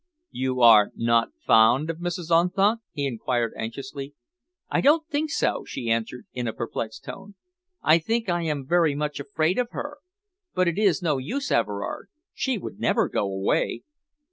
"You are not fond of Mrs. Unthank?" he enquired anxiously. "I don't think so," she answered, in a perplexed tone. "I think I am very much afraid of her. But it is no use, Everard! She would never go away."